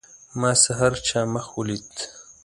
ما سحر چا مخ ولید.